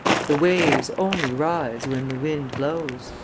The waves only rise when the wind blows."